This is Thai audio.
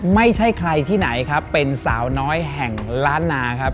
ไม่ใช่ใครที่ไหนครับเป็นสาวน้อยแห่งล้านนาครับ